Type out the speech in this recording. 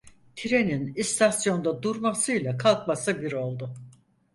Trenin istasyonda durmasıyla kalkması bir oldu.